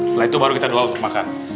setelah itu baru kita doang untuk makan